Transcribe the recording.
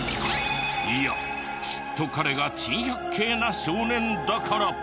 いやきっと彼が珍百景な少年だから。